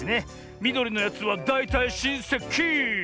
みどりのやつはだいたいしんせき！